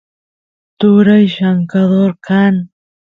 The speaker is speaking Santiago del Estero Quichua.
turay llamkador kan